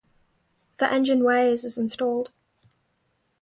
The engine weighs as installed.